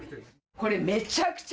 これめちゃくちゃ。